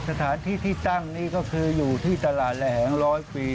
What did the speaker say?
สถานที่ที่ตั้งนี่ก็คืออยู่ที่ตลาดแหลงร้อยฟรี